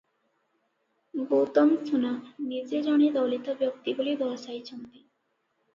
ଗୌତମ ସୁନା ନିଜେ ଜଣେ ଦଳିତ ବ୍ୟକ୍ତି ବୋଲି ଦର୍ଶାଇଛନ୍ତି ।